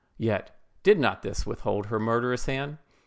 Yet did not this withhold her murderous hand.